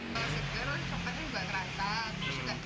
kalau segera coklatnya juga rata